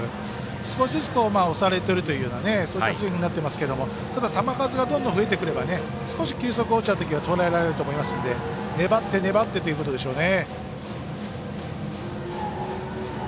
少しずつ押されているというようなそういったスイングになってますけどただ、球数がどんどん増えてくれば少し球速落ちたときにはとらえられると思いますんで粘って、粘ってということでしょうね。